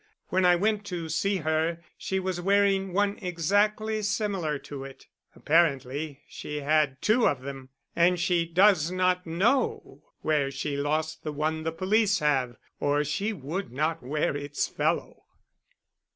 When I went to see her she was wearing one exactly similar to it. Apparently she had two of them. And she does not know where she lost the one the police have, or she would not wear its fellow."